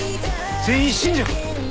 全員信者か？